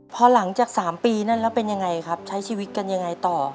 พอหลังจาก๓ปีนั่นแล้วเป็นยังไงครับใช้ชีวิตกันยังไงต่อ